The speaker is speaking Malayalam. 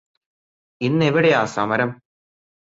ഇന്നെവിടെയാ സമരം?